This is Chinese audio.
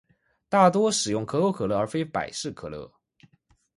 大多使用可口可乐而非百事可乐。